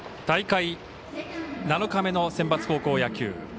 大会７日目のセンバツ高校野球。